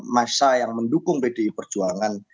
massa yang mendukung bdi perjuangan